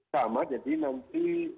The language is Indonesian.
sama jadi nanti